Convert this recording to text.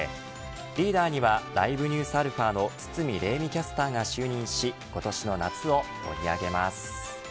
リーダーにはＬｉｖｅＮｅｗｓαの堤礼実キャスターが就任し今年の夏を盛り上げます。